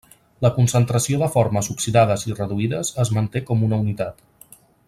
La concentració de formes oxidades i reduïdes es manté com una unitat.